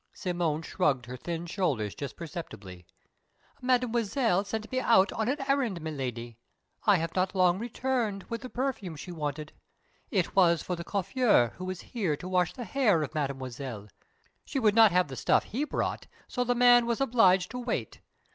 Simone shrugged her thin shoulders just perceptibly. "Mademoiselle sent me out on an errand, Miladi. I have not long returned, with the perfume she wanted. It was for the coiffeur who is here to wash the hair of Mademoiselle. She would not have the stuff he brought, so the man was obliged to wait.